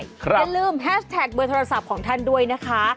อย่าลืมแฮชแท็กเบอร์โทรศัพท์ของท่านด้วยนะคะ